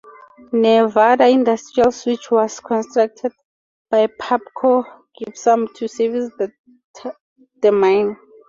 Nevada Industrial Switch was contracted by Pabco Gypsum to service the mine.